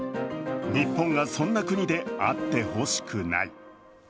日本がそんな国であってほしくない。